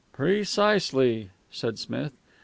"Precisely," said Smith.